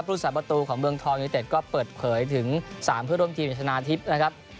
แล้วภูมิศาสตร์ประตูของเมืองทองิวเต็ดก็เปิดเผยถึง๓เพื่อนร่วมทีมในชนะทิศนะครับ